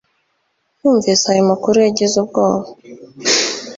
Yumvise ayo makuru yagize ubwoba